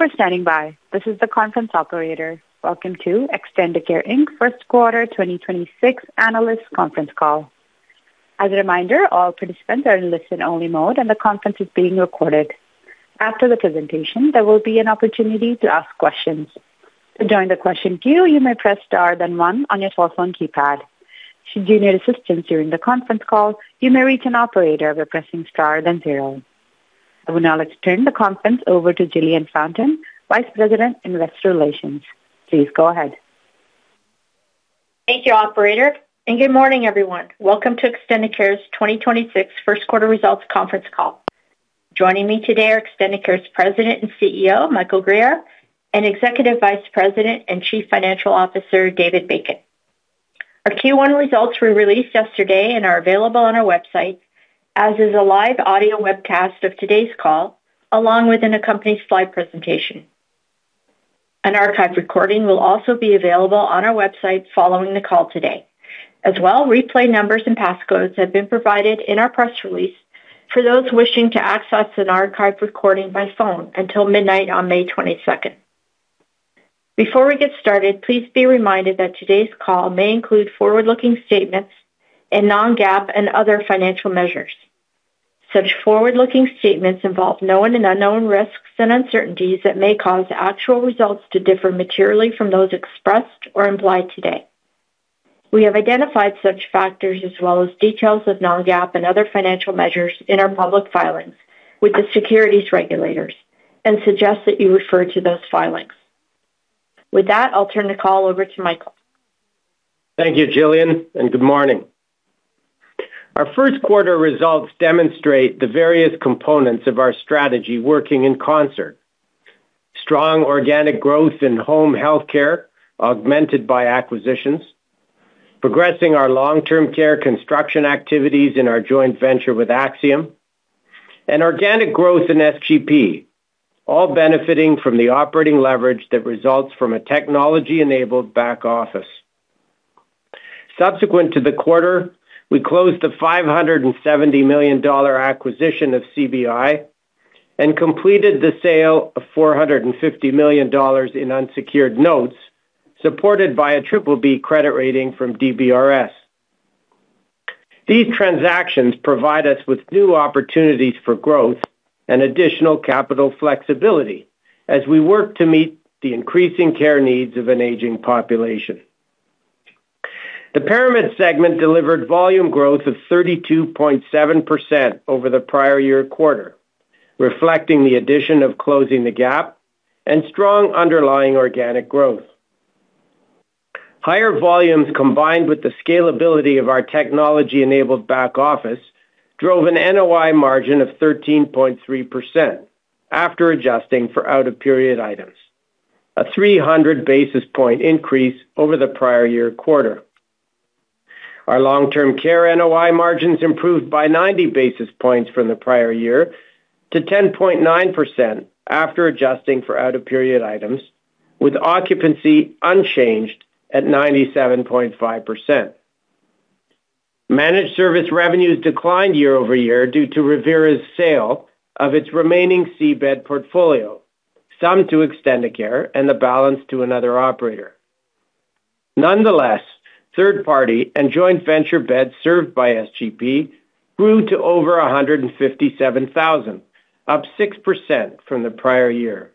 Thank you for standing by. This is the conference operator. Welcome to Extendicare Inc.'s first quarter 2026 analyst conference call. As a reminder, all participants are in listen only mode, and the conference is being recorded. After the presentation, there will be an opportunity to ask questions. To join the question queue, you may press star one on your telephone keypad. Should you need assistance during the conference call, you may reach an operator by pressing star zero. I would now like to turn the conference over to Jillian Fountain, Vice President, Investor Relations. Please go ahead. Thank you, operator, and good morning, everyone. Welcome to Extendicare's 2026 first quarter results conference call. Joining me today are Extendicare's President and Chief Executive Officer, Michael Guerriere, and Executive Vice President and Chief Financial Officer, David Bacon. Our Q1 results were released yesterday and are available on our website, as is a live audio webcast of today's call, along with an accompanying slide presentation. An archive recording will also be available on our website following the call today. As well, replay numbers and passcodes have been provided in our press release for those wishing to access an archive recording by phone until midnight on May 22nd. Before we get started, please be reminded that today's call may include forward-looking statements and non-GAAP and other financial measures. Such forward-looking statements involve known and unknown risks and uncertainties that may cause actual results to differ materially from those expressed or implied today. We have identified such factors as well as details of non-GAAP and other financial measures in our public filings with the securities regulators and suggest that you refer to those filings. With that, I will turn the call over to Michael. Thank you, Jillian. Good morning. Our first quarter results demonstrate the various components of our strategy working in concert. Strong organic growth in Home Healthcare augmented by acquisitions, progressing our long-term care construction activities in our joint venture with Axium, and organic growth in SGP, all benefiting from the operating leverage that results from a technology-enabled back office. Subsequent to the quarter, we closed the 570 million dollar acquisition of CBI and completed the sale of 450 million dollars in unsecured notes supported by a BBB credit rating from DBRS. These transactions provide us with new opportunities for growth and additional capital flexibility as we work to meet the increasing care needs of an aging population. The ParaMed segment delivered volume growth of 32.7% over the prior year quarter, reflecting the addition of Closing the Gap and strong underlying organic growth. Higher volumes, combined with the scalability of our technology-enabled back office, drove an NOI margin of 13.3% after adjusting for out-of-period items, a 300 basis point increase over the prior year quarter. Our long-term care NOI margins improved by 90 basis points from the prior year to 10.9% after adjusting for out-of-period items, with occupancy unchanged at 97.5%. managed service revenues declined year-over-year due to Revera's sale of its remaining C bed portfolio, some to Extendicare and the balance to another operator. Third party and joint venture beds served by SGP grew to over 157,000, up 6% from the prior year.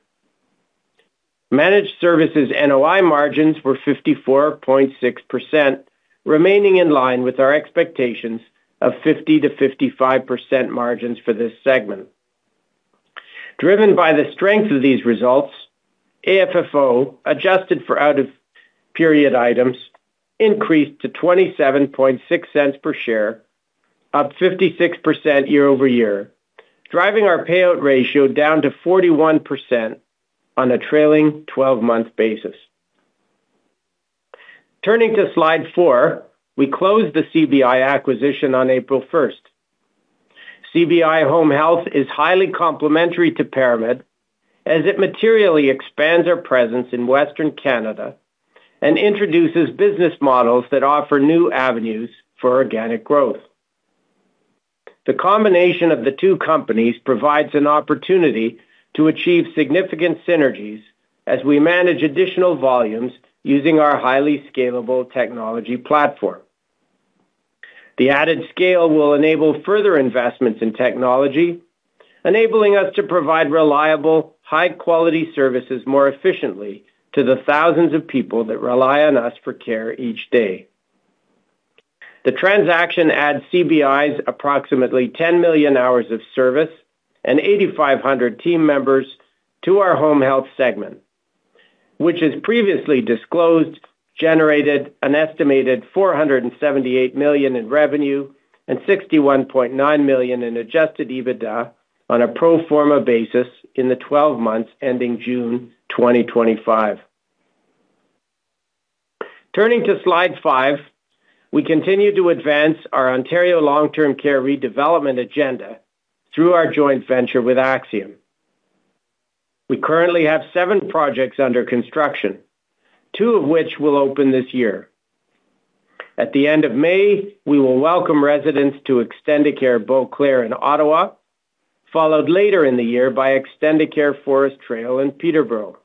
Managed services NOI margins were 54.6%, remaining in line with our expectations of 50%-55% margins for this segment. Driven by the strength of these results, AFFO, adjusted for out of period items, increased to 0.276 per share, up 56% year-over-year, driving our payout ratio down to 41% on a trailing 12-month basis. Turning to slide four. We closed the CBI acquisition on April 1st. CBI Home Health is highly complementary to ParaMed as it materially expands our presence in Western Canada and introduces business models that offer new avenues for organic growth. The combination of the two companies provides an opportunity to achieve significant synergies as we manage additional volumes using our highly scalable technology platform. The added scale will enable further investments in technology, enabling us to provide reliable, high-quality services more efficiently to the thousands of people that rely on us for care each day. The transaction adds CBI's approximately 10 million hours of service and 8,500 team members to our Home Health segment, which, as previously disclosed, generated an estimated CAD 478 million in revenue and CAD 61.9 million in adjusted EBITDA on a pro forma basis in the 12 months ending June 2025. Turning to slide five. We continue to advance our Ontario long-term care redevelopment agenda through our joint venture with Axium. We currently have seven projects under construction, two of which will open this year. At the end of May, we will welcome residents to Extendicare Beauclaire in Ottawa, followed later in the year by Extendicare Forest Trail in Peterborough.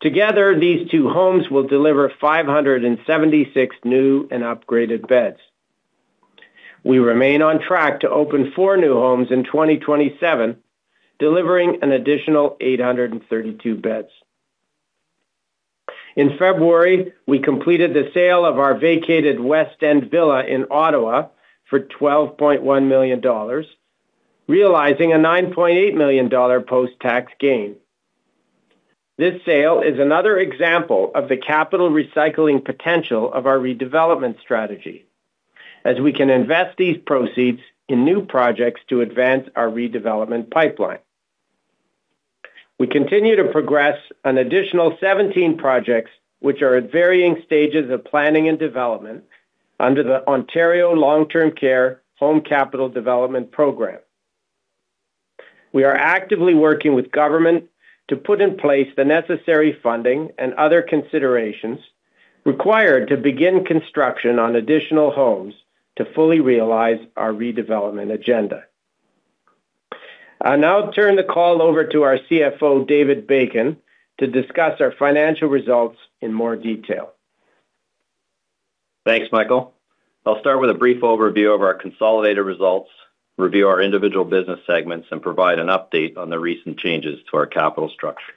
Together, these two homes will deliver 576 new and upgraded beds. We remain on track to open 4 new homes in 2027, delivering an additional 832 beds. In February, we completed the sale of our vacated West End Villa in Ottawa for 12.1 million dollars, realizing a 9.8 million dollar post-tax gain. This sale is another example of the capital recycling potential of our redevelopment strategy, as we can invest these proceeds in new projects to advance our redevelopment pipeline. We continue to progress an additional 17 projects which are at varying stages of planning and development under the Ontario Long-Term Care Home Capital Development Program. We are actively working with government to put in place the necessary funding and other considerations required to begin construction on additional homes to fully realize our redevelopment agenda. I'll now turn the call over to our CFO, David Bacon, to discuss our financial results in more detail. Thanks, Michael. I'll start with a brief overview of our consolidated results, review our individual business segments, and provide an update on the recent changes to our capital structure.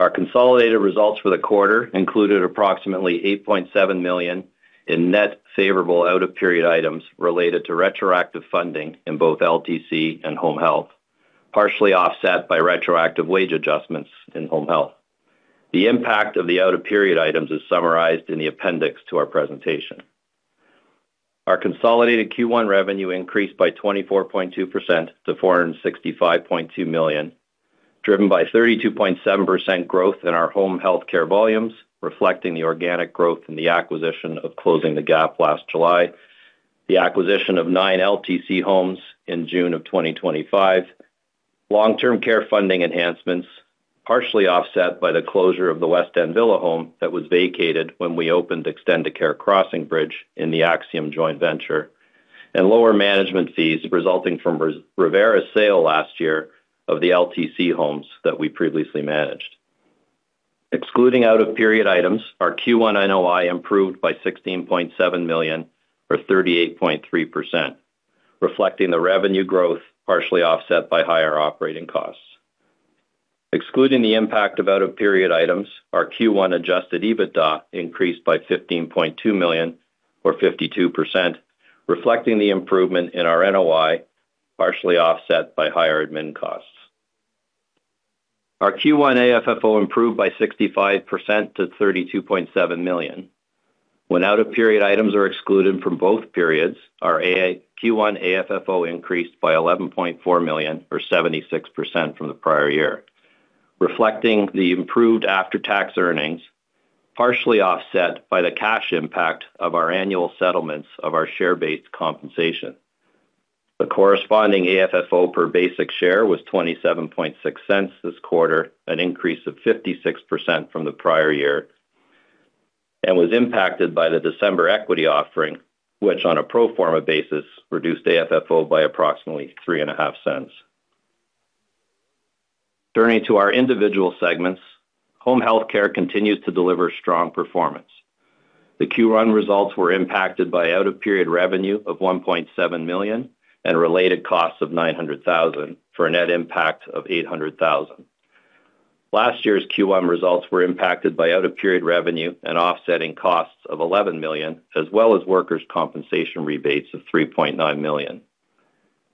Our consolidated results for the quarter included approximately 8.7 million in net favorable out-of-period items related to retroactive funding in both LTC and Home Health, partially offset by retroactive wage adjustments in Home Health. The impact of the out-of-period items is summarized in the appendix to our presentation. Our consolidated Q1 revenue increased by 24.2% to 465.2 million, driven by 32.7% growth in our Home Health care volumes, reflecting the organic growth in the acquisition of Closing the Gap last July, the acquisition of 9 LTC homes in June of 2025, long-term care funding enhancements, partially offset by the closure of the West End Villa home that was vacated when we opened Extendicare Crossing Bridge in the Axium joint venture, and lower management fees resulting from Revera's sale last year of the LTC homes that we previously managed. Excluding out-of-period items, our Q1 NOI improved by 16.7 million or 38.3%, reflecting the revenue growth partially offset by higher operating costs. Excluding the impact of out-of-period items, our Q1 adjusted EBITDA increased by 15.2 million or 52%, reflecting the improvement in our NOI, partially offset by higher admin costs. Our Q1 AFFO improved by 65% to 32.7 million. When out-of-period items are excluded from both periods, our AA- Q1 AFFO increased by 11.4 million or 76% from the prior year, reflecting the improved after-tax earnings, partially offset by the cash impact of our annual settlements of our share-based compensation. The corresponding AFFO per basic share was 0.276 this quarter, an increase of 56% from the prior year, and was impacted by the December equity offering, which, on a pro forma basis, reduced AFFO by approximately 0.035. Turning to our individual segments, Home Health care continues to deliver strong performance. The Q1 results were impacted by out-of-period revenue of 1.7 million and related costs of 900,000 for a net impact of 800,000. Last year's Q1 results were impacted by out-of-period revenue and offsetting costs of 11 million, as well as workers' compensation rebates of 3.9 million.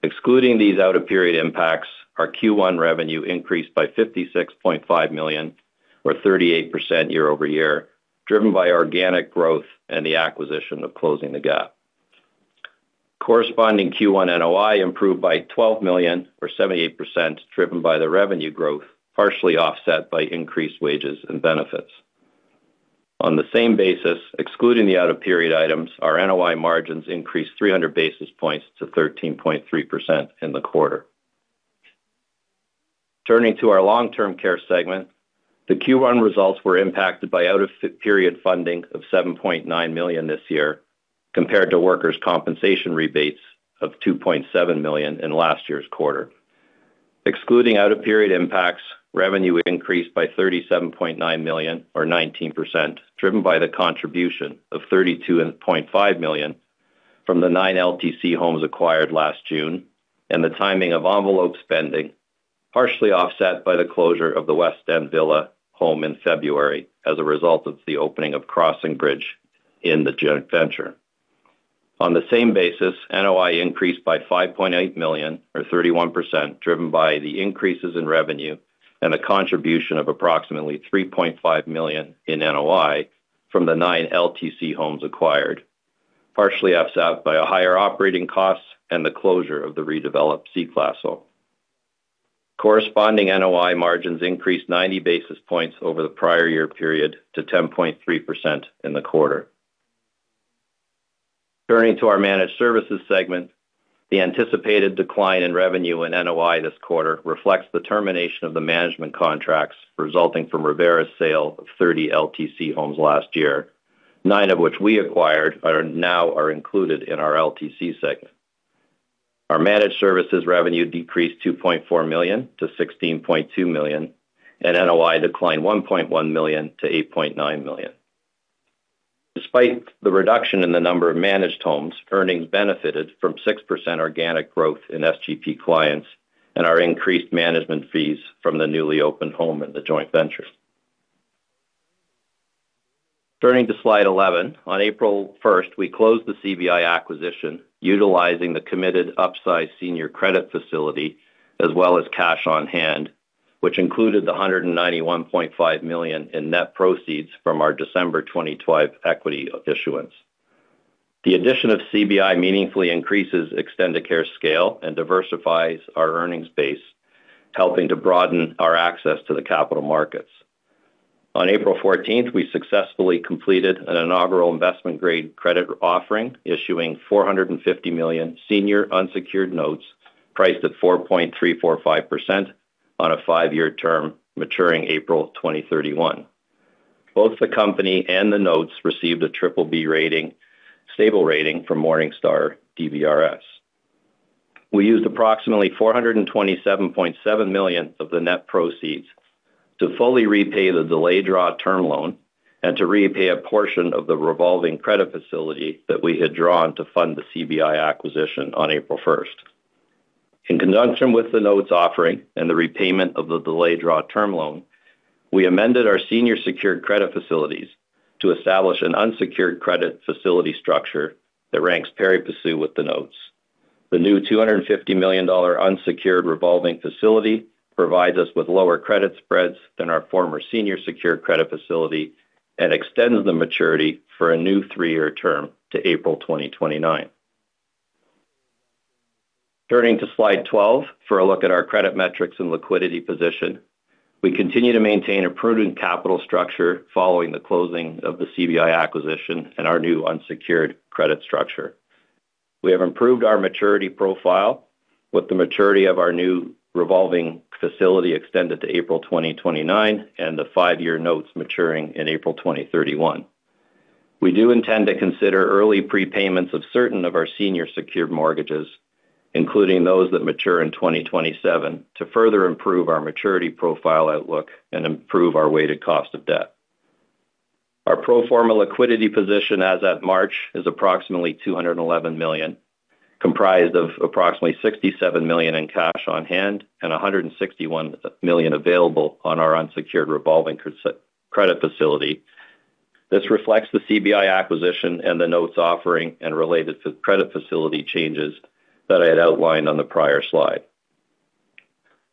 Excluding these out-of-period impacts, our Q1 revenue increased by 56.5 million or 38% year-over-year, driven by organic growth and the acquisition of Closing the Gap. Corresponding Q1 NOI improved by 12 million or 78%, driven by the revenue growth, partially offset by increased wages and benefits. On the same basis, excluding the out-of-period items, our NOI margins increased 300 basis points to 13.3% in the quarter. Turning to our long-term care segment, the Q1 results were impacted by out-of-period funding of 7.9 million this year compared to workers' compensation rebates of 2.7 million in last year's quarter. Excluding out-of-period impacts, revenue increased by 37.9 million or 19%, driven by the contribution of 32.5 million from the nine LTC homes acquired last June and the timing of envelope spending, partially offset by the closure of the West End Villa home in February as a result of the opening of Crossing Bridge in the joint venture. On the same basis, NOI increased by 5.8 million or 31%, driven by the increases in revenue and the contribution of approximately 3.5 million in NOI from the nine LTC homes acquired, partially offset by a higher operating costs and the closure of the redeveloped C Class home. Corresponding NOI margins increased 90 basis points over the prior year period to 10.3% in the quarter. Turning to our managed services segment, the anticipated decline in revenue in NOI this quarter reflects the termination of the management contracts resulting from Revera's sale of 30 LTC homes last year, nine of which we acquired are now included in our LTC segment. Our managed services revenue decreased 2.4 million to 16.2 million, and NOI declined 1.1 million to 8.9 million. Despite the reduction in the number of managed homes, earnings benefited from 6% organic growth in SGP clients and our increased management fees from the newly opened home in the joint venture. Turning to Slide 11. On April 1st, we closed the CBI acquisition utilizing the committed upsize senior credit facility as well as cash on hand, which included the 191.5 million in net proceeds from our December 2012 equity issuance. The addition of CBI meaningfully increases Extendicare's scale and diversifies our earnings base, helping to broaden our access to the capital markets. On April 14th, we successfully completed an inaugural investment-grade credit offering, issuing 450 million senior unsecured notes priced at 4.345% on a five-year term maturing April 2031. Both the company and the notes received a BBB rating, stable rating from Morningstar DBRS. We used approximately 427.7 million of the net proceeds to fully repay the delayed draw term loan and to repay a portion of the revolving credit facility that we had drawn to fund the CBI acquisition on April 1st. In conjunction with the notes offering and the repayment of the delayed draw term loan, we amended our senior secured credit facilities to establish an unsecured credit facility structure that ranks pari passu with the notes. The new 250 million dollar unsecured revolving facility provides us with lower credit spreads than our former senior secured credit facility and extends the maturity for a new three-year term to April 2029. Turning to Slide 12 for a look at our credit metrics and liquidity position. We continue to maintain a prudent capital structure following the closing of the CBI acquisition and our new unsecured credit structure. We have improved our maturity profile with the maturity of our new revolving facility extended to April 2029 and the five-year notes maturing in April 2031. We do intend to consider early prepayments of certain of our senior secured mortgages, including those that mature in 2027, to further improve our maturity profile outlook and improve our weighted cost of debt. Our pro forma liquidity position as of March is approximately 211 million, comprised of approximately 67 million in cash on hand and 161 million available on our unsecured revolving credit facility. This reflects the CBI acquisition and the notes offering and related to credit facility changes that I had outlined on the prior slide.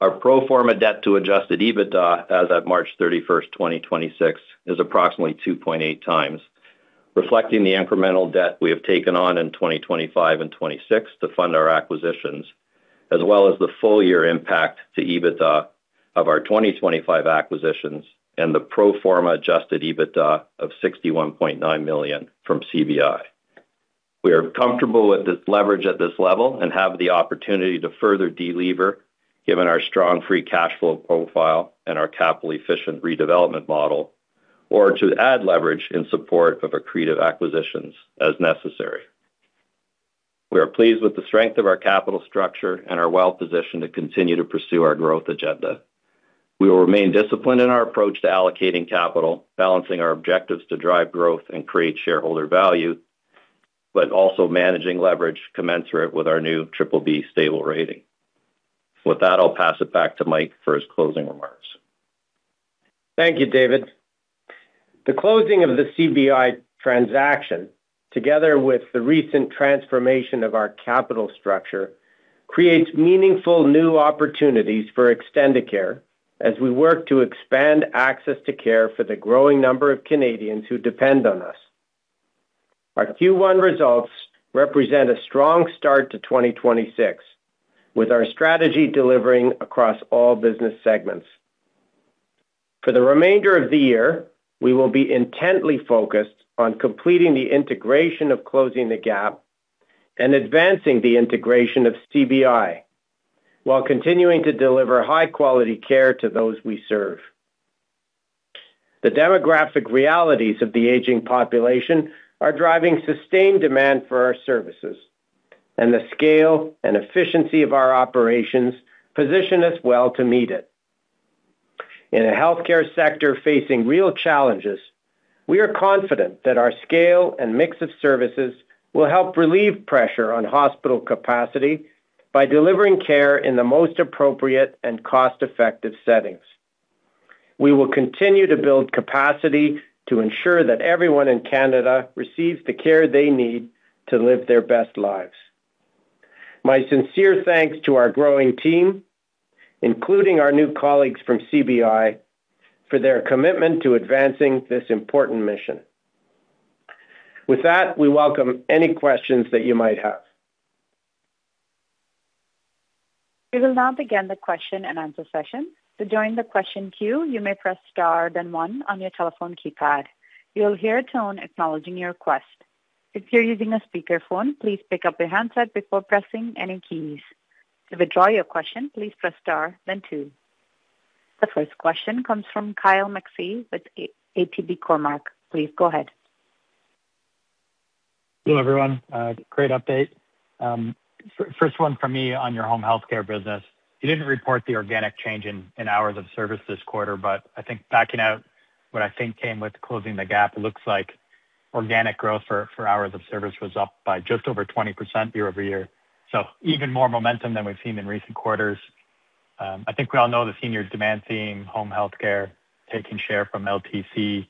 Our pro forma debt to adjusted EBITDA as of March 31st, 2026 is approximately 2.8x, reflecting the incremental debt we have taken on in 2025 and 2026 to fund our acquisitions, as well as the full-year impact to EBITDA of our 2025 acquisitions and the pro forma adjusted EBITDA of 61.9 million from CBI. We are comfortable with this leverage at this level and have the opportunity to further delever, given our strong free cash flow profile and our capital-efficient redevelopment model, or to add leverage in support of accretive acquisitions as necessary. We are pleased with the strength of our capital structure and are well positioned to continue to pursue our growth agenda. We will remain disciplined in our approach to allocating capital, balancing our objectives to drive growth and create shareholder value, but also managing leverage commensurate with our new triple B stable rating. With that, I'll pass it back to Mike for his closing remarks. Thank you, David. The closing of the CBI transaction, together with the recent transformation of our capital structure, creates meaningful new opportunities for Extendicare as we work to expand access to care for the growing number of Canadians who depend on us. Our Q1 results represent a strong start to 2026, with our strategy delivering across all business segments. For the remainder of the year, we will be intently focused on completing the integration of Closing the Gap and advancing the integration of CBI, while continuing to deliver high-quality care to those we serve. The demographic realities of the aging population are driving sustained demand for our services, and the scale and efficiency of our operations position us well to meet it. In a healthcare sector facing real challenges, we are confident that our scale and mix of services will help relieve pressure on hospital capacity by delivering care in the most appropriate and cost-effective settings. We will continue to build capacity to ensure that everyone in Canada receives the care they need to live their best lives. My sincere thanks to our growing team, including our new colleagues from CBI, for their commitment to advancing this important mission. With that, we welcome any questions that you might have. We will now begin the question-and-answer session. To join the question queue, you may press star then one on your telephone keypad. You will hear a tone acknowledging your request. If you're using a speaker phone please pick up your handset before pressing any keys. To withdraw your question please press star then two. The first question comes from Kyle McPhee with ATB Cormark. Please go ahead. Hello, everyone. Great update. First one from me on your Home Health care business. You didn't report the organic change in hours of service this quarter, I think backing out what I think came with Closing the Gap, it looks like organic growth for hours of service was up by just over 20% year-over-year. Even more momentum than we've seen in recent quarters. I think we all know the seniors demand seeing Home Health care taking share from LTC.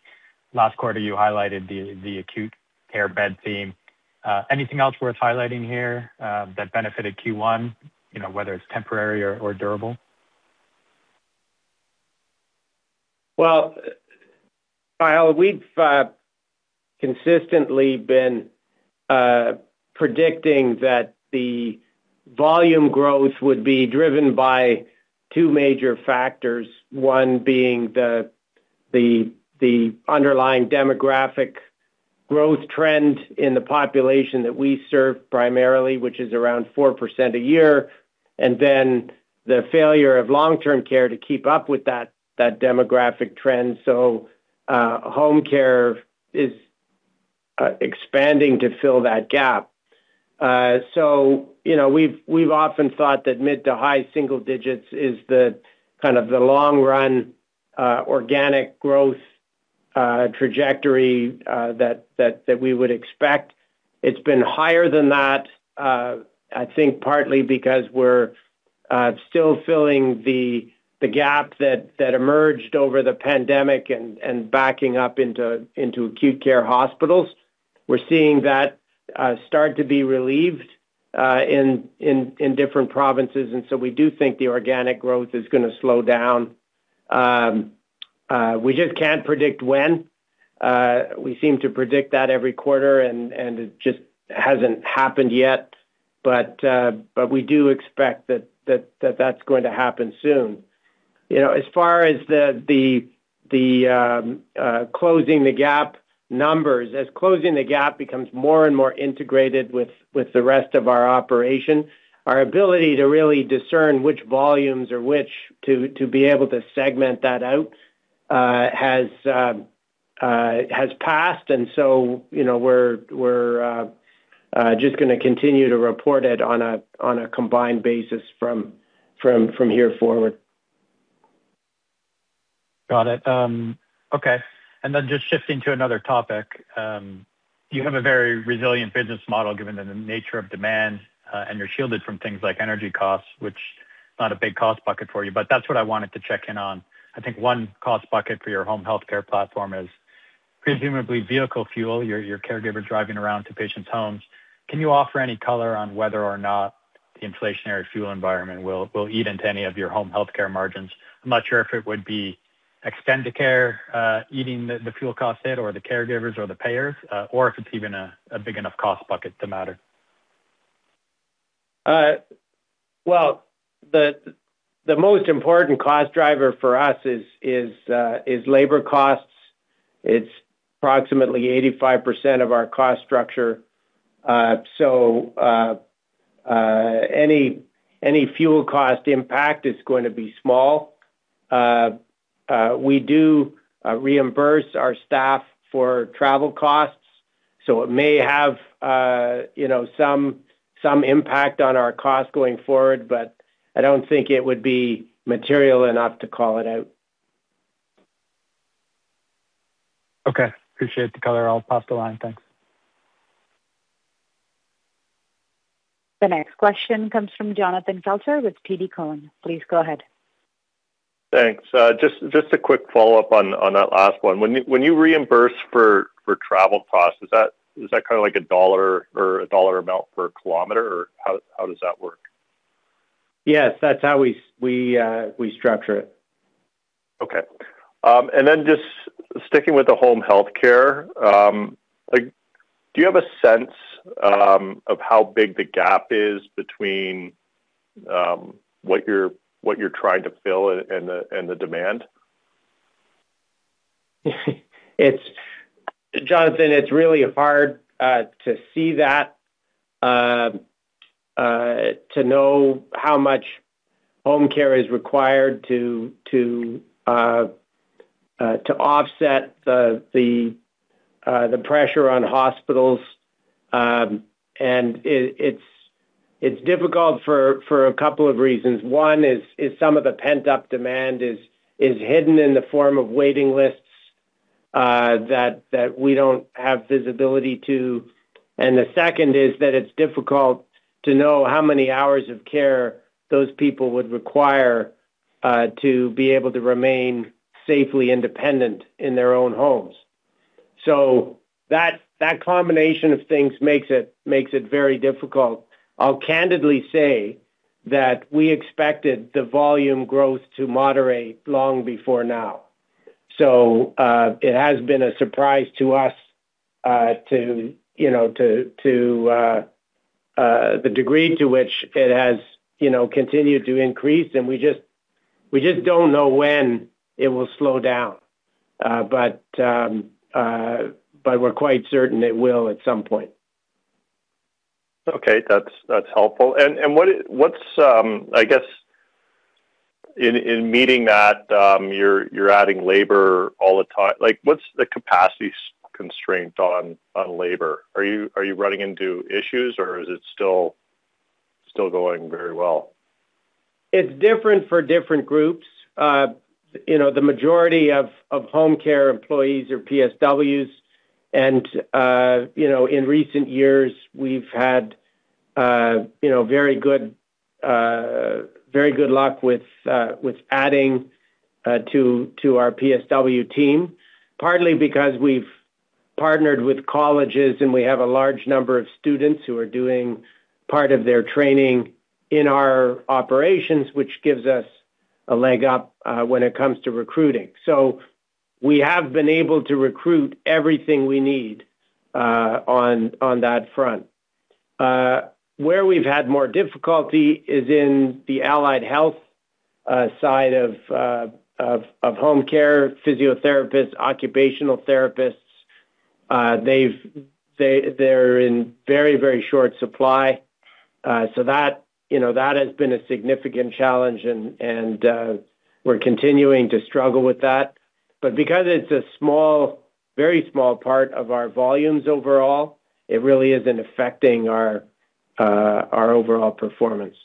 Last quarter, you highlighted the acute care bed theme. Anything else worth highlighting here that benefited Q1, you know, whether it's temporary or durable? Well, Kyle, we've consistently been predicting that the volume growth would be driven by two major factors. One being the underlying demographic growth trend in the population that we serve primarily, which is around 4% a year, and then the failure of long-term care to keep up with that demographic trend. Home care is expanding to fill that gap. You know, we've often thought that mid to high single digits is the kind of the long run organic growth trajectory that we would expect. It's been higher than that, I think partly because we're still filling the gap that emerged over the pandemic and backing up into acute care hospitals. We're seeing that start to be relieved in different provinces. We do think the organic growth is going to slow down. We just can't predict when. We seem to predict that every quarter and it just hasn't happened yet. We do expect that that's going to happen soon. You know, as far as the Closing the Gap numbers. As Closing the Gap becomes more and more integrated with the rest of our operation, our ability to really discern which volumes or which to be able to segment that out has passed. You know, we're just going to continue to report it on a combined basis from here forward. Got it. Okay. Then just shifting to another topic. You have a very resilient business model given the nature of demand, and you're shielded from things like energy costs, which is not a big cost bucket for you. That's what I wanted to check in on. I think one cost bucket for your Home Healthcare platform is presumably vehicle fuel, your caregiver driving around to patients' homes. Can you offer any color on whether or not the inflationary fuel environment will eat into any of your Home Healthcare margins? I'm not sure if it would be Extendicare eating the fuel cost hit or the caregivers or the payers, or if it's even a big enough cost bucket to matter. Well, the most important cost driver for us is labor costs. It's approximately 85% of our cost structure. Any fuel cost impact is going to be small. We do reimburse our staff for travel costs, so it may have, you know, some impact on our cost going forward, but I don't think it would be material enough to call it out. Okay. Appreciate the color. I'll pass the line. Thanks. The next question comes from Jonathan Kelcher with TD Cowen. Please go ahead. Thanks. just a quick follow-up on that last one. When you reimburse for travel costs, is that kinda like a dollar or a dollar amount per kilometer or how does that work? Yes, that's how we structure it. Okay. Just sticking with the Home Healthcare. Like, do you have a sense of how big the gap is between what you're trying to fill and the, and the demand? It's Jonathan, it's really hard to see that, to know how much home care is required to offset the pressure on hospitals. It's difficult for a couple of reasons. One is some of the pent-up demand is hidden in the form of waiting lists that we don't have visibility to. The second is that it's difficult to know how many hours of care those people would require to be able to remain safely independent in their own homes. That combination of things makes it very difficult. I'll candidly say that we expected the volume growth to moderate long before now. It has been a surprise to us, to, you know, to the degree to which it has, you know, continued to increase, and we just don't know when it will slow down, but we're quite certain it will at some point. Okay. That's helpful. What's, I guess in meeting that, you're adding labor. Like, what's the capacity constraint on labor? Are you running into issues, or is it still going very well? It's different for different groups. You know, the majority of home care employees are PSWs and, you know, in recent years we've had very good luck with adding to our PSW team. Partly because we've partnered with colleges, and we have a large number of students who are doing part of their training in our operations, which gives us a leg up when it comes to recruiting. We have been able to recruit everything we need on that front. Where we've had more difficulty is in the allied health side of Home care, physiotherapists, occupational therapists. They're in very, very short supply. That, you know, that has been a significant challenge and we're continuing to struggle with that. Because it's a small, very small part of our volumes overall, it really isn't affecting our overall performance.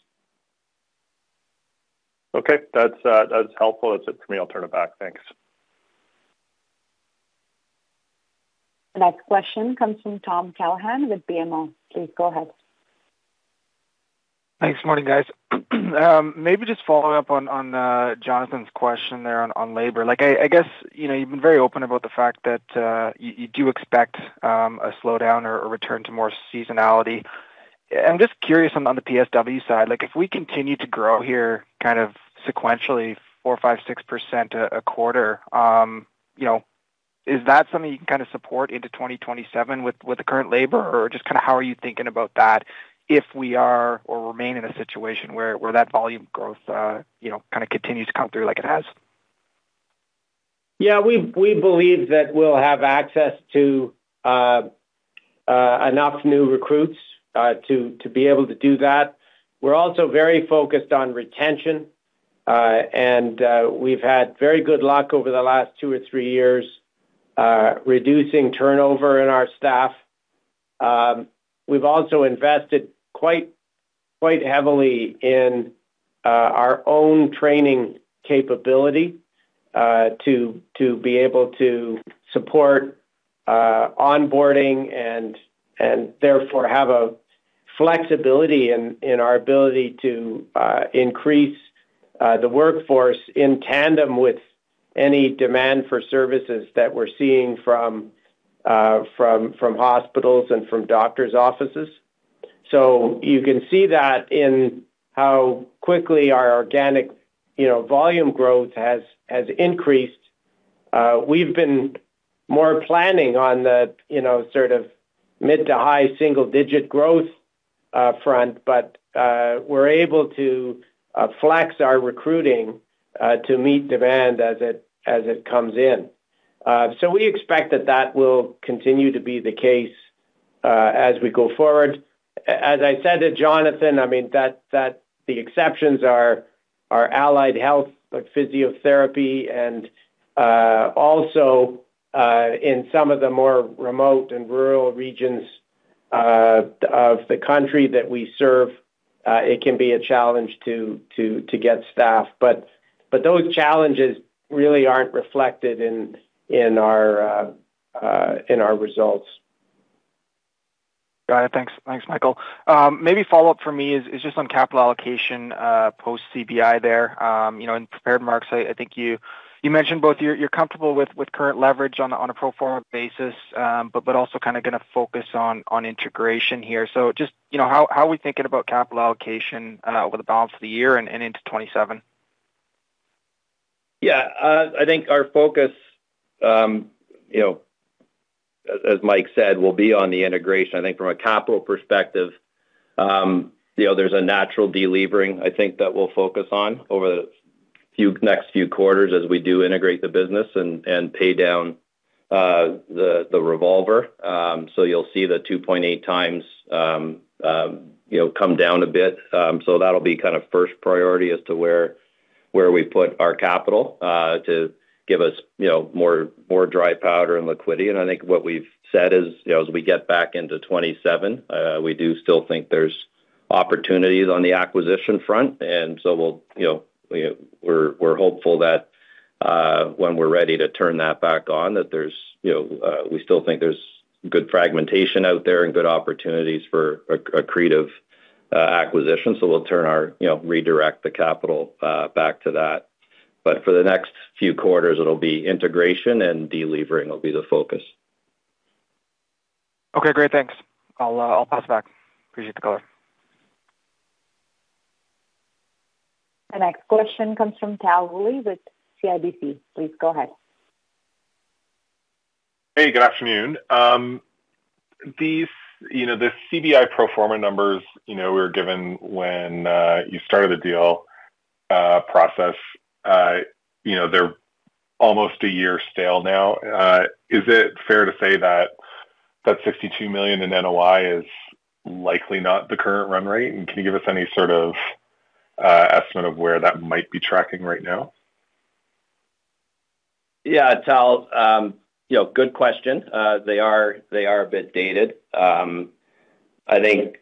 Okay. That's, that's helpful. That's it for me. I'll turn it back. Thanks. The next question comes from Tom Callaghan with BMO. Please go ahead. Thanks. Morning, guys. Maybe just following up on Jonathan's question there on labor. Like, I guess, you know, you've been very open about the fact that you do expect a slowdown or a return to more seasonality. I'm just curious on the PSW side. Like, if we continue to grow here kind of sequentially 4%, 5%, 6% a quarter, you know, is that something you can kind of support into 2027 with the current labor? Or just kinda how are you thinking about that if we are or remain in a situation where that volume growth, you know, kinda continues to come through like it has? Yeah. We believe that we'll have access to enough new recruits to be able to do that. We're also very focused on retention, and we've had very good luck over the last two or three years reducing turnover in our staff. We've also invested quite heavily in our own training capability to be able to support onboarding and therefore have a flexibility in our ability to increase the workforce in tandem with any demand for services that we're seeing from hospitals and from doctors' offices. You can see that in how quickly our organic, you know, volume growth has increased. We've been more planning on the, you know, sort of mid to high single digit growth front, but we're able to flex our recruiting to meet demand as it comes in. We expect that that will continue to be the case as we go forward. As I said to Jonathan, I mean, that the exceptions are allied health, like physiotherapy and also in some of the more remote and rural regions of the country that we serve, it can be a challenge to get staff. Those challenges really aren't reflected in our results. Got it. Thanks, Michael. Maybe follow-up for me is just on capital allocation post CBI there. You know, in prepared marks, I think you mentioned both you're comfortable with current leverage on a pro forma basis, but also kinda gonna focus on integration here. Just, you know, how are we thinking about capital allocation over the balance of the year and into 2027? Yeah. I think our focus, you know, as Mike said, will be on the integration. I think from a capital perspective, you know, there's a natural delevering I think that we'll focus on over the next few quarters as we do integrate the business and pay down the revolver. So you'll see the 2.8x, you know, come down a bit. So that'll be kind of first priority as to where we put our capital to give us, you know, more dry powder and liquidity. I think what we've said is, you know, as we get back into 2027, we do still think there's opportunities on the acquisition front. We'll, you know, we're hopeful that, when we're ready to turn that back on, that there's, you know, we still think there's good fragmentation out there and good opportunities for accretive acquisition. We'll turn our, you know, redirect the capital back to that. For the next few quarters, it'll be integration and delevering will be the focus. Okay. Great. Thanks. I'll pass it back. Appreciate the call. The next question comes from Tal Woolley with CIBC. Please go ahead. Hey, good afternoon. These, you know, the CBI pro forma numbers, you know, we were given when you started the deal process. You know, they're almost a year stale now. Is it fair to say that that 62 million in NOI is likely not the current run rate? Can you give us any sort of estimate of where that might be tracking right now? Tal. You know, good question. They are a bit dated. I think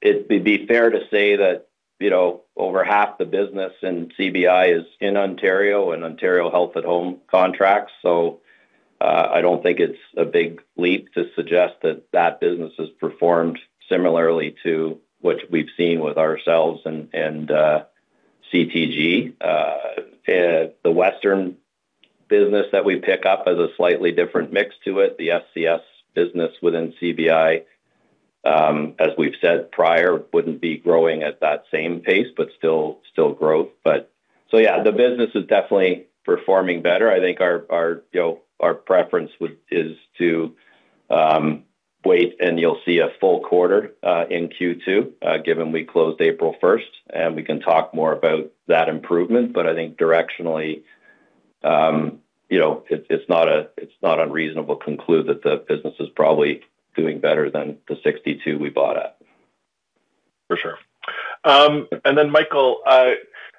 it'd be fair to say that, you know, over half the business in CBI is in Ontario and Ontario Health at Home contracts. I don't think it's a big leap to suggest that that business has performed similarly to what we've seen with ourselves and CTG. The Western business that we pick up has a slightly different mix to it. The SCS business within CBI, as we've said prior, wouldn't be growing at that same pace, but still growth. The business is definitely performing better. I think our, you know, our preference is to wait and you'll see a full quarter in Q2, given we closed April 1st, and we can talk more about that improvement. I think directionally, you know, it's not unreasonable to conclude that the business is probably doing better than the 62 million we bought at. For sure. Then Michael,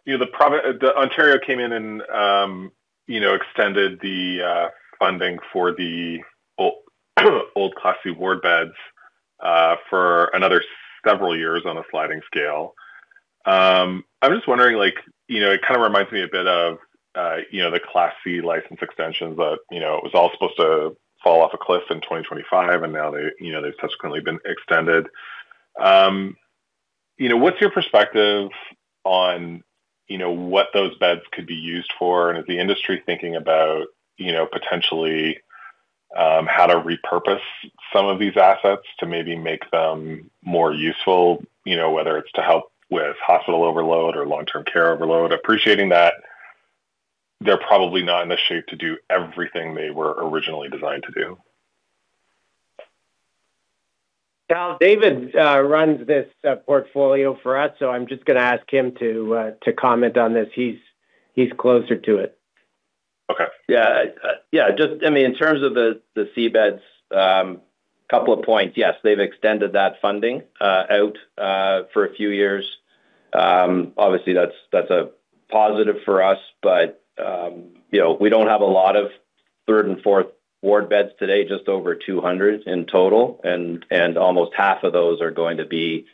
you know, the Ontario came in and, you know, extended the funding for the old Class C ward beds for another several years on a sliding scale. I'm just wondering, it kind of reminds me a bit of the Class C license extensions that it was all supposed to fall off a cliff in 2025, now they've subsequently been extended. What's your perspective on what those beds could be used for? Is the industry thinking about how to repurpose some of these assets to maybe make them more useful? Whether it's to help with hospital overload or long-term care overload. Appreciating that they're probably not in the shape to do everything they were originally designed to do. Tal, David runs this portfolio for us, so I'm just gonna ask him to comment on this. He's closer to it. Okay. Yeah. Yeah. Just, I mean, in terms of the C beds, a couple of points. Yes, they've extended that funding out for a few years. Obviously that's a positive for us. You know, we don't have a lot of third and fourth ward beds today, just over 200 in total. Almost half of those are going to be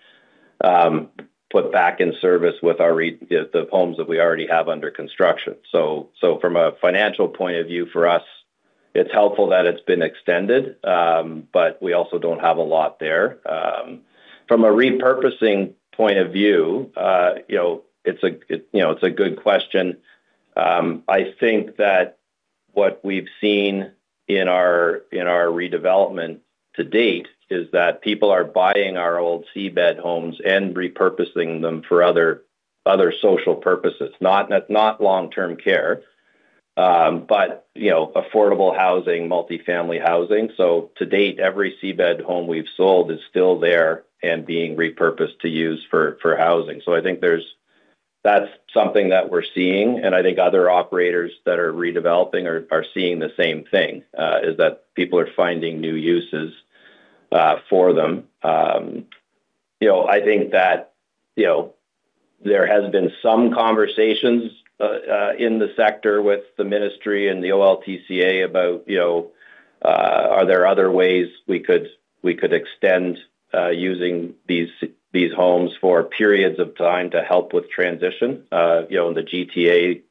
put back in service with the homes that we already have under construction. From a financial point of view, for us, it's helpful that it's been extended. We also don't have a lot there. From a repurposing point of view, you know, it's a good question. I think that what we've seen in our, in our redevelopment to date is that people are buying our old C bed homes and repurposing them for other social purposes. Not long-term care, you know, affordable housing, multi-family housing. To date, every C bed home we've sold is still there and being repurposed to use for housing. I think that's something that we're seeing, and I think other operators that are redeveloping are seeing the same thing, is that people are finding new uses for them. You know, I think that, you know, there has been some conversations in the sector with the ministry and the OLTCA about, you know, are there other ways we could extend using these homes for periods of time to help with transition? You know, in the GTA,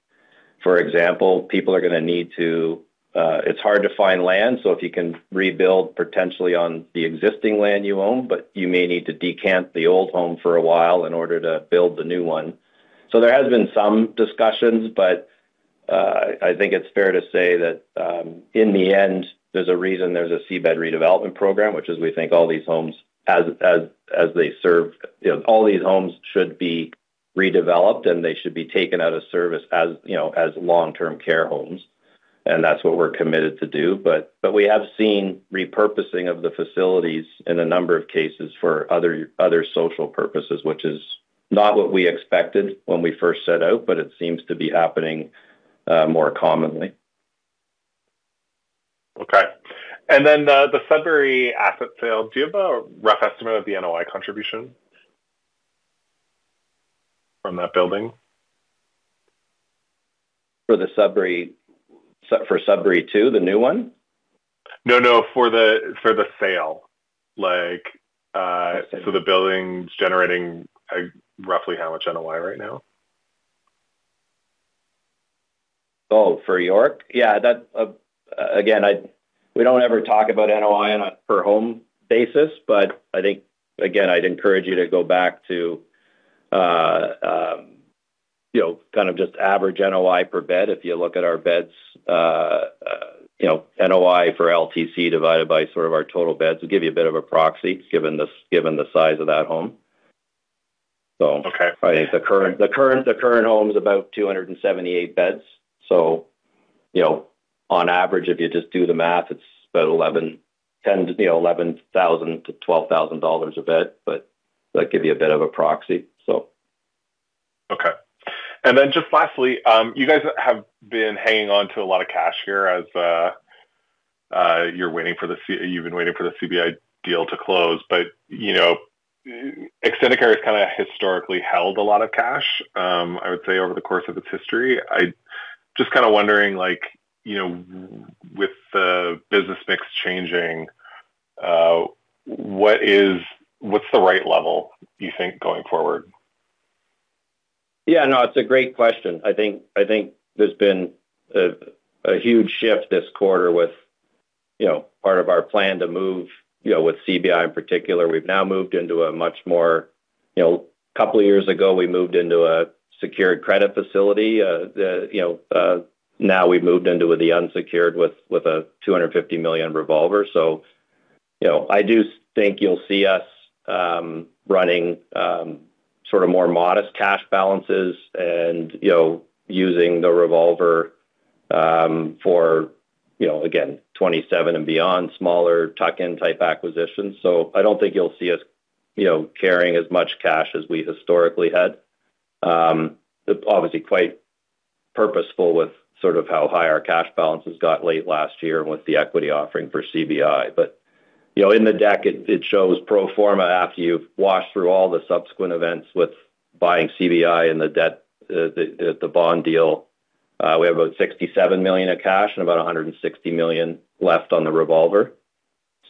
for example, people are gonna need to, it's hard to find land. If you can rebuild potentially on the existing land you own, but you may need to decant the old home for a while in order to build the new one. There has been some discussions, but I think it's fair to say that in the end, there's a reason there's an Ontario Long-Term Care Home Capital Development Program, which is we think all these homes as they serve. You know, all these homes should be redeveloped, and they should be taken out of service, as, you know, as long-term care homes. That's what we're committed to do. We have seen repurposing of the facilities in a number of cases for other social purposes, which is not what we expected when we first set out, but it seems to be happening, more commonly. Okay. The Sudbury asset sale, do you have a rough estimate of the NOI contribution from that building? For the Sudbury 2, the new one? No, no, for the, for the sale. Like. I see. The building's generating, roughly how much NOI right now? Oh, for Extendicare York? Yeah, that again, we don't ever talk about NOI on a per home basis, but I think again, I'd encourage you to go back to, you know, kind of just average NOI per bed. If you look at our beds, You know, NOI for LTC divided by sort of our total beds will give you a bit of a proxy given the, given the size of that home. Okay. I think the current home is about 278 beds. You know, on average, if you just do the math, it's about 10,000 to 11,000 to 12,000 dollars a bed. That'd give you a bit of a proxy, so. Okay. Just lastly, you guys have been hanging on to a lot of cash here as you've been waiting for the CBI deal to close. you know, Extendicare has kinda historically held a lot of cash, I would say over the course of its history. Just kinda wondering, like, you know, with the business mix changing, what's the right level you think going forward? Yeah, no, it's a great question. I think there's been a huge shift this quarter with, you know, part of our plan to move, you know, with CBI in particular. A couple of years ago, we moved into a secured credit facility. You know, now we've moved into the unsecured with a 250 million revolver. You know, I do think you'll see us running sort of more modest cash balances and, you know, using the revolver for, you know, again, 2027 and beyond smaller tuck-in type acquisitions. I don't think you'll see us, you know, carrying as much cash as we historically had. Obviously quite purposeful with sort of how high our cash balances got late last year with the equity offering for CBI. You know, in the deck, it shows pro forma after you've washed through all the subsequent events with buying CBI and the debt, the bond deal. We have about 67 million of cash and about 160 million left on the revolver.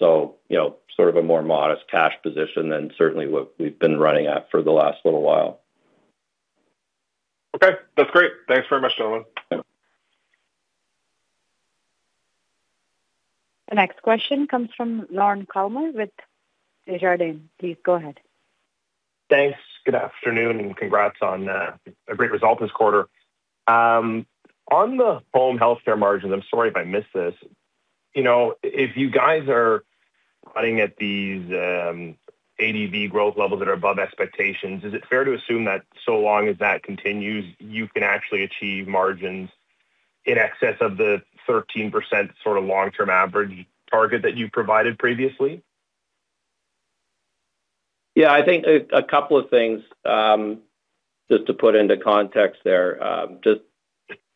You know, sort of a more modest cash position than certainly what we've been running at for the last little while. Okay, that's great. Thanks very much, gentlemen. Yeah. The next question comes from Lorne Kalmar with Desjardins. Please go ahead. Thanks. Good afternoon, congrats on a great result this quarter. On the Home Health care margins, I'm sorry if I missed this. You know, if you guys are cutting at these ADV growth levels that are above expectations, is it fair to assume that so long as that continues, you can actually achieve margins in excess of the 13% sort of long-term average target that you provided previously? Yeah, I think a couple of things, just to put into context there. Just,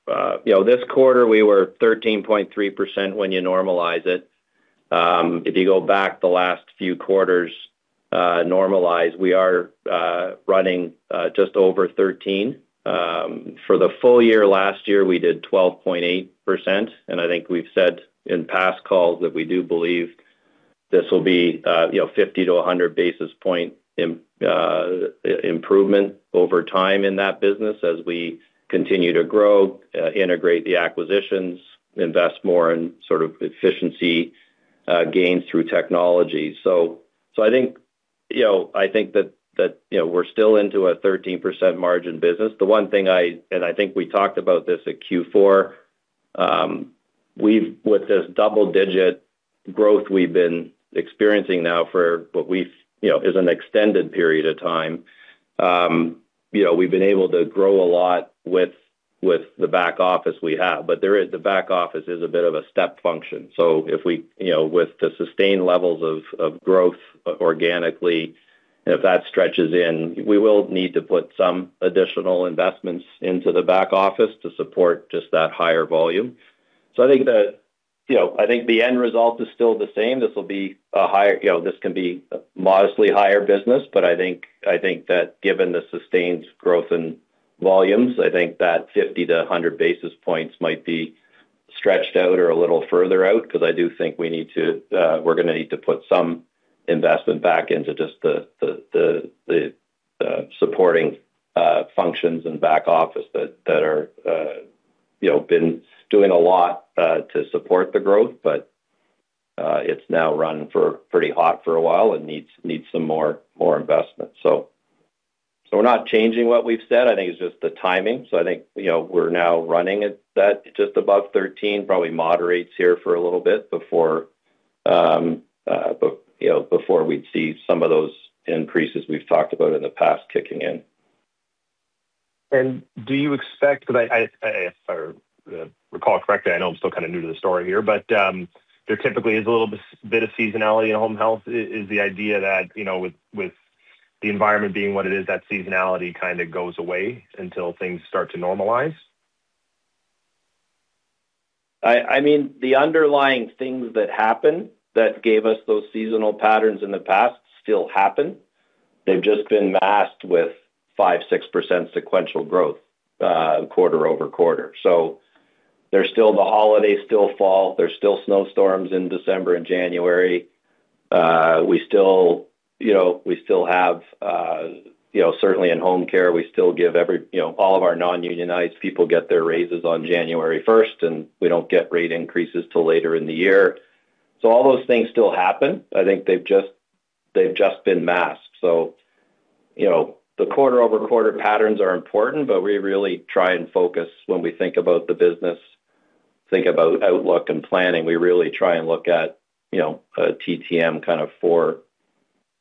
you know, this quarter we were 13.3% when you normalize it. If you go back the last few quarters, normalized, we are running just over 13. For the full year last year, we did 12.8%. I think we've said in past calls that we do believe this will be, you know, 50-100 basis point improvement over time in that business as we continue to grow, integrate the acquisitions, invest more in sort of efficiency gains through technology. I think, you know, I think that, you know, we're still into a 13% margin business. The one thing I and I think we talked about this at Q4, with this double-digit growth we've been experiencing now for what we've, you know, is an extended period of time, you know, we've been able to grow a lot with the back office we have. The back office is a bit of a step function. If we, you know, with the sustained levels of growth organically, if that stretches in, we will need to put some additional investments into the back office to support just that higher volume. I think the, you know, I think the end result is still the same. This will be a higher, you know, this can be a modestly higher business. I think that given the sustained growth in volumes, I think that 50-100 basis points might be stretched out or a little further out because I do think we need to, we're gonna need to put some investment back into just the supporting functions and back office that are, you know, been doing a lot to support the growth, but it's now run for pretty hot for a while and needs some more investment. We're not changing what we've said. I think it's just the timing. I think, you know, we're now running at that just above 13, probably moderates here for a little bit before, you know, before we'd see some of those increases we've talked about in the past kicking in. Do you expect if I recall correctly, I know I'm still kinda new to the story here, but, there typically is a little bit of seasonality in Home Health. Is the idea that, you know, with the environment being what it is, that seasonality kinda goes away until things start to normalize? I mean, the underlying things that happen that gave us those seasonal patterns in the past still happen. They've just been masked with 5%-6% sequential growth quarter-over-quarter. There's still the holiday, still fall. There's still snow storms in December and January. We still, you know, we still have, you know, certainly in home care, we still give every, you know, all of our non-unionized people get their raises on January 1st, and we don't get rate increases till later in the year. All those things still happen. I think they've just been masked. You know, the quarter-over-quarter patterns are important, but we really try and focus when we think about the business, think about outlook and planning. We really try to look at, you know, a TTM kind of four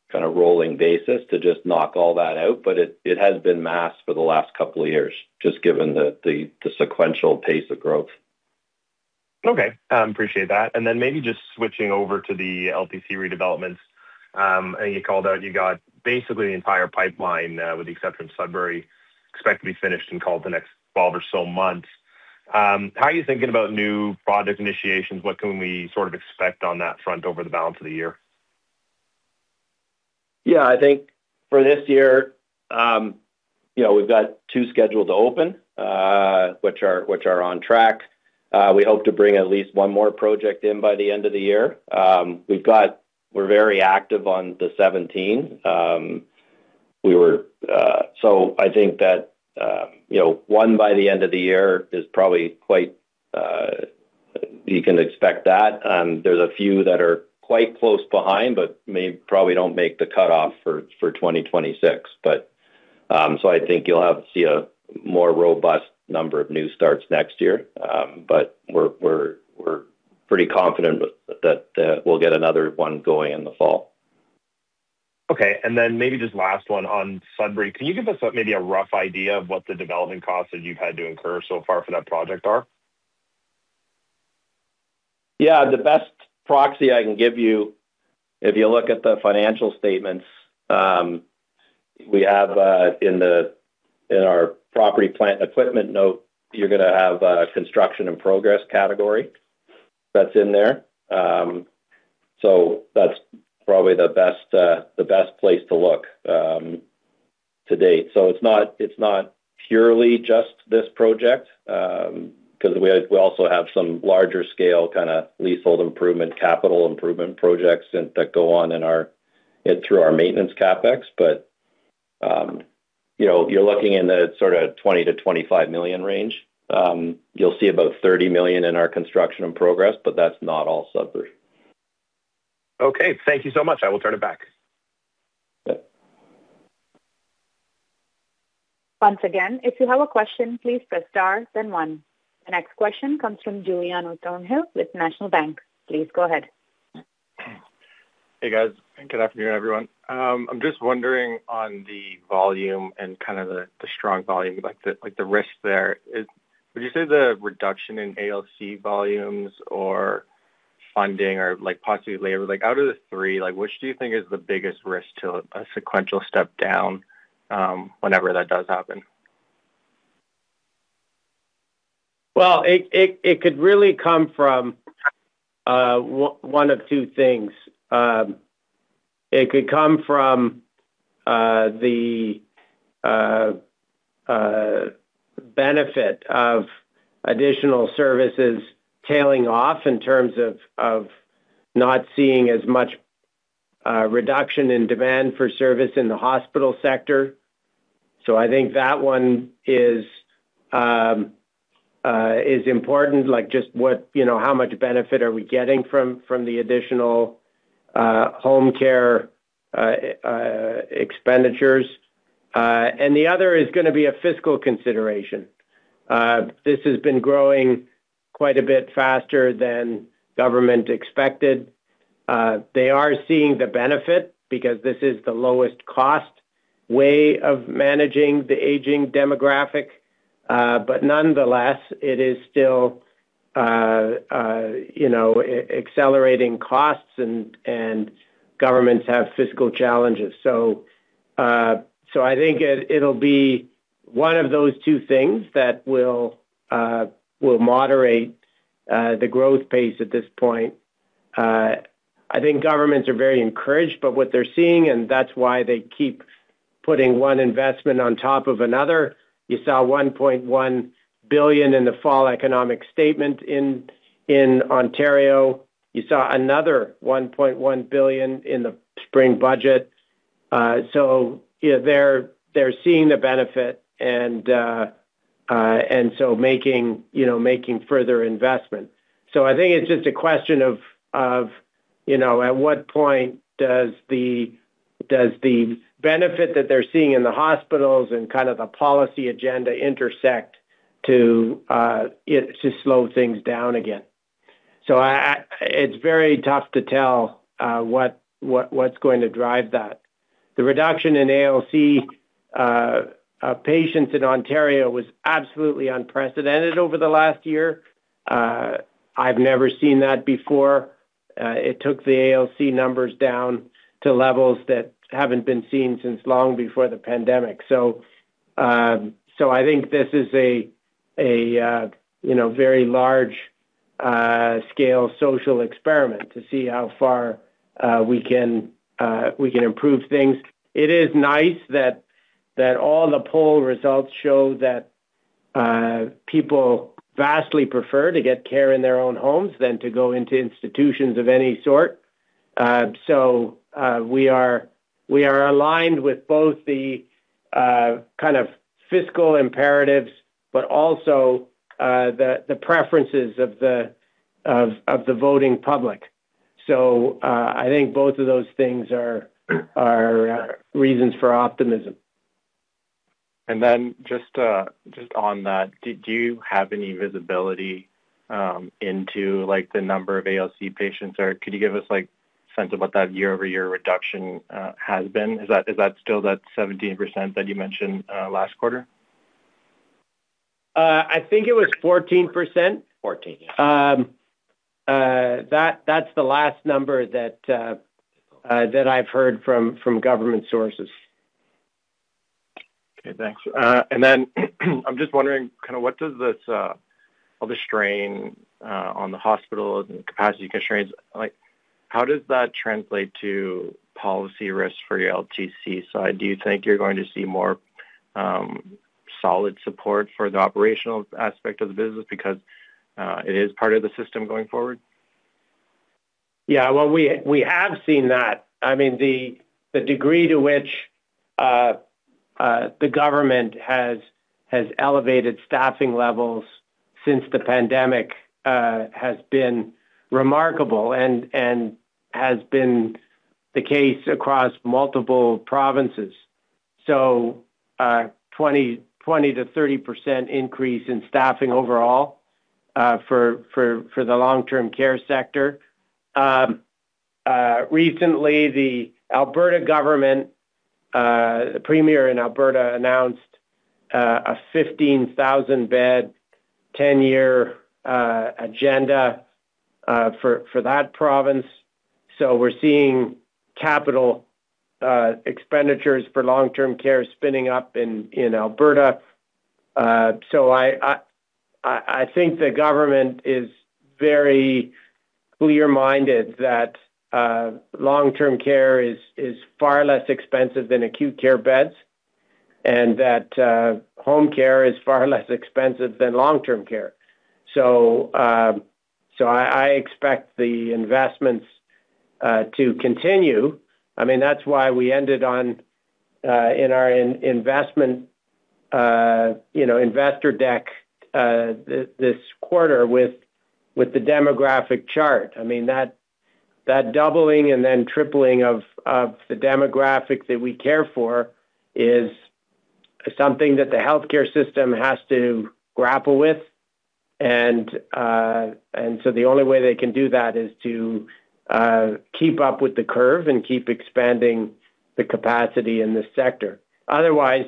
kind of rolling basis to just knock all that out. But it has been masked for the last couple of years, just given the sequential pace of growth. Okay. appreciate that. Maybe just switching over to the LTC redevelopments, you called out you got basically the entire pipeline, with the exception of Sudbury, expect to be finished in call it the next 12 or so months. How are you thinking about new project initiations? What can we sort of expect on that front over the balance of the year? Yeah, I think for this year, you know, we've got two scheduled to open, which are on track. We hope to bring at least 1 more project in by the end of the year. We're very active on the 17. I think that, you know, 1 by the end of the year is probably quite, you can expect that. There's a few that are quite close behind, but may probably don't make the cutoff for 2026. I think you'll have to see a more robust number of new starts next year. We're pretty confident that we'll get another one going in the fall. Okay. Maybe just last one on Sudbury. Can you give us maybe a rough idea of what the development costs that you've had to incur so far for that project are? Yeah. The best proxy I can give you, if you look at the financial statements, we have in the, in our property plant equipment note, you're gonna have a construction in progress category that's in there. That's probably the best the best place to look to date. It's not, it's not purely just this project, 'cause we also have some larger scale kinda leasehold improvement, capital improvement projects that go on through our maintenance CapEx. You know, you're looking in the sort of 20 million-25 million range. You'll see about 30 million in our construction in progress, but that's not all Sudbury. Okay. Thank you so much. I will turn it back. Yep. Once again, if you have a question, please press star then one. The next question comes from Giuliano Thornhill with National Bank. Please go ahead. Hey, guys. Good afternoon, everyone. I'm just wondering on the volume and kind of the strong volume, like the risks there. Would you say the reduction in ALC volumes or funding or possibly labor, out of the three, which do you think is the biggest risk to a sequential step down, whenever that does happen? Well, it could really come from one of two things. It could come from the benefit of additional services tailing off in terms of not seeing as much reduction in demand for service in the hospital sector. I think that one is important, like just what, you know, how much benefit are we getting from the additional home care expenditures. The other is gonna be a fiscal consideration. This has been growing quite a bit faster than government expected. They are seeing the benefit because this is the lowest cost way of managing the aging demographic. Nonetheless, it is still, you know, accelerating costs and governments have fiscal challenges. I think it'll be one of those two things that will moderate the growth pace at this point. I think governments are very encouraged by what they're seeing, and that's why they keep putting one investment on top of another. You saw 1.1 billion in the fall economic statement in Ontario. You saw another 1.1 billion in the spring budget. You know, they're seeing the benefit and making, you know, further investment. I think it's just a question of, you know, at what point does the benefit that they're seeing in the hospitals and kind of the policy agenda intersect to slow things down again. It's very tough to tell what's going to drive that. The reduction in ALC patients in Ontario was absolutely unprecedented over the last year. I've never seen that before. It took the ALC numbers down to levels that haven't been seen since long before the pandemic. I think this is a, you know, very large-scale social experiment to see how far we can improve things. It is nice that all the poll results show that people vastly prefer to get care in their own homes than to go into institutions of any sort. We are aligned with both the kind of fiscal imperatives, but also the preferences of the voting public. I think both of those things are reasons for optimism. Just on that, do you have any visibility into like the number of ALC patients, or could you give us like sense of what that year-over-year reduction has been? Is that still that 17% that you mentioned last quarter? I think it was 14%. 14%, yeah. That's the last number that I've heard from government sources. Okay, thanks. I'm just wondering kinda what does this all the strain on the hospitals and capacity constraints, like how does that translate to policy risks for your LTC side? Do you think you're going to see more solid support for the operational aspect of the business because it is part of the system going forward? Yeah. Well, we have seen that. I mean, the degree to which the government has elevated staffing levels since the pandemic has been remarkable and has been the case across multiple provinces. 20%-30% increase in staffing overall for the long-term care sector. Recently, the Alberta government, the premier in Alberta announced a 15,000 bed, 10-year agenda for that province. We're seeing capital expenditures for long-term care spinning up in Alberta. I think the government is very clear-minded that long-term care is far less expensive than acute care beds, and that home care is far less expensive than long-term care. I expect the investments to continue. I mean, that's why we ended on in our investor deck this quarter with the demographic chart. I mean, that doubling and then tripling of the demographic that we care for is something that the healthcare system has to grapple with. The only way they can do that is to keep up with the curve and keep expanding the capacity in this sector. Otherwise,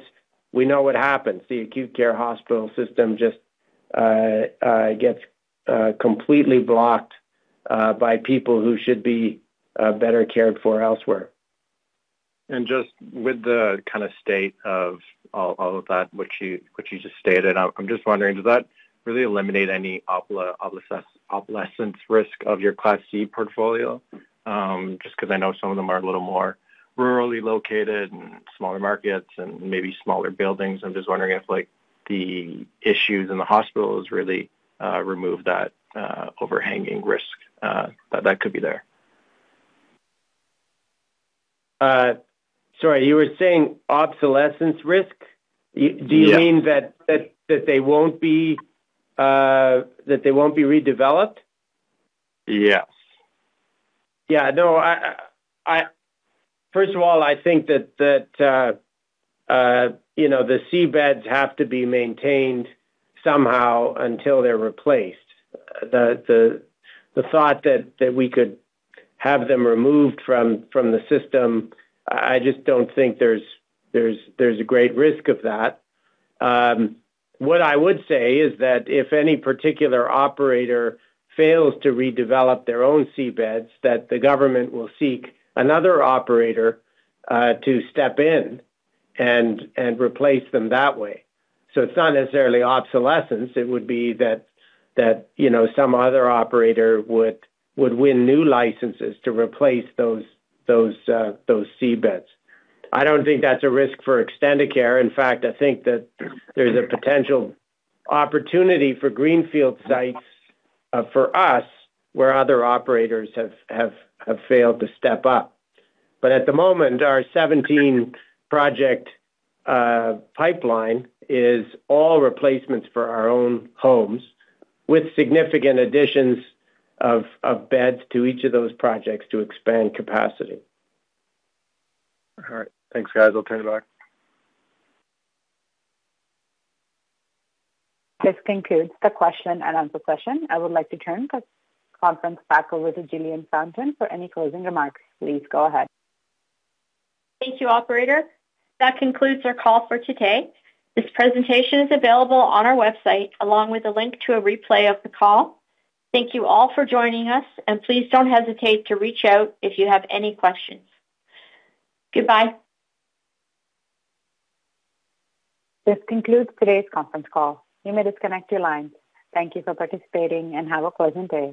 we know what happens. The acute care hospital system just gets completely blocked by people who should be better cared for elsewhere. Just with the kinda state of all of that, which you just stated, I'm just wondering, does that really eliminate any obsolescence risk of your Class C portfolio? just 'cause I know some of them are a little more rurally located and smaller markets and maybe smaller buildings. I'm just wondering if like the issues in the hospitals really remove that overhanging risk that could be there. Sorry, you were saying obsolescence risk? Yes. Do you mean that they won't be redeveloped? Yes. Yeah, no, First of all, I think that, you know, the C beds have to be maintained somehow until they're replaced. The thought that we could have them removed from the system, I just don't think there's a great risk of that. What I would say is that if any particular operator fails to redevelop their own C beds, that the government will seek another operator to step in and replace them that way. It's not necessarily obsolescence, it would be that, you know, some other operator would win new licenses to replace those C beds. I don't think that's a risk for Extendicare. In fact, I think that there's a potential opportunity for greenfield sites for us, where other operators have failed to step up. At the moment, our 17 project pipeline is all replacements for our own homes, with significant additions of beds to each of those projects to expand capacity. All right. Thanks, guys. I'll turn it back. This concludes the question and answer session. I would like to turn the conference back over to Jillian Fountain for any closing remarks. Please go ahead. Thank you, operator. That concludes our call for today. This presentation is available on our website, along with a link to a replay of the call. Thank you all for joining us, and please don't hesitate to reach out if you have any questions. Goodbye. This concludes today's conference call. You may disconnect your lines. Thank you for participating, and have a pleasant day.